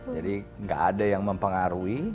jadi gak ada yang mempengaruhi